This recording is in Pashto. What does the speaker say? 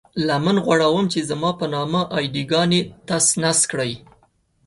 لمن غوړوم چې زما په نامه اې ډي ګانې تس نس کړئ.